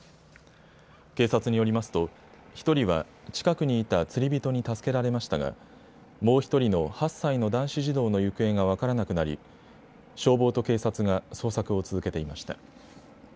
警察によりますと１人は近くにいた釣り人に助けられましたがもう１人の８歳の男子児童の行方が分からなくなり、消防と警察が捜索を続けていました。